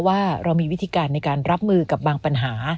ว่าเรามีวิธีการในการรับมือกับบางปัญหา